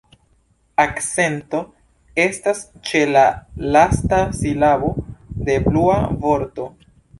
Akcento estas ĉe la lasta silabo de "Blua" vorto.